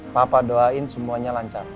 papa doain semuanya lancar